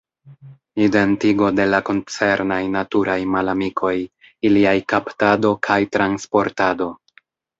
Identigo de la koncernaj naturaj malamikoj, iliaj kaptado kaj transportado.